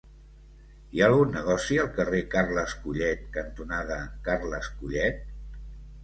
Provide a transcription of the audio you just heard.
Hi ha algun negoci al carrer Carles Collet cantonada Carles Collet?